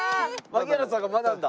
槙原さんが学んだ。